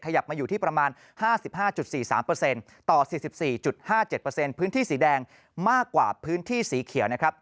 มาอยู่ที่ประมาณ๕๕๔๓ต่อ๔๔๕๗พื้นที่สีแดงมากกว่าพื้นที่สีเขียวนะครับ